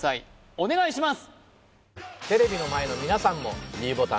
お願いします